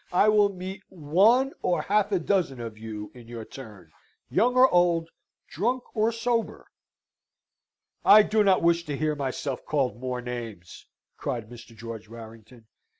I will meet one or half a dozen of you in your turn, young or old, drunk or sober." "I do not wish to hear myself called more names," cried Mr. George Warrington.